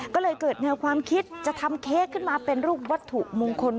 ก็เลยเกิดแนวความคิดจะทำเค้กขึ้นมาเป็นรูปวัตถุมงคล